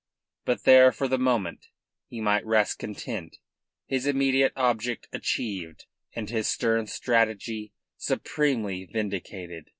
But there for the moment he might rest content, his immediate object achieved and his stern strategy supremely vindicated.